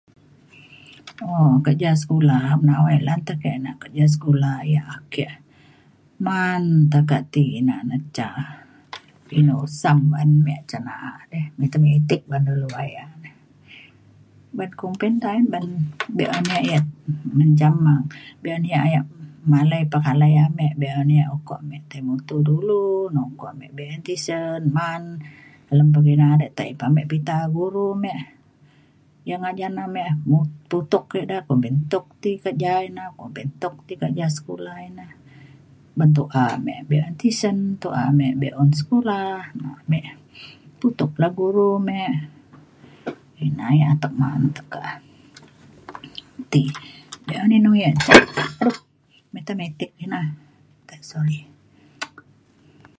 um kerja sekula nawai lan te ke na kerja sekula yak ake man tekak ti ina na ca inu sum ko ba’an me cen na’a de matematik ba’an dulu daya re. Ban kumbin ta’en ban be’un e yak menjam be’un ia’ yak malai pekalai ia’ be be’un ukok me tai mutu dulu na ukok me be’un tisen man dalem pengira de tai ame pita guru me. Ia’ ngajan ame mutu tutok ida kumbin tuk ti kerja ina kumbin tuk ti kerja sekula ina ban tu’a me be’un tisen tu’a me be’un sekula me tutok la guru me. Ina ia’ atek man tekak ti be’un inu yak ca Matematik ina. eh sorry.